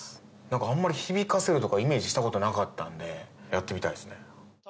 あんまり響かせるとかイメージしたことなかったんでやってみたいですね。